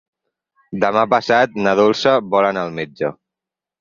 Demà passat na Dolça vol anar al metge.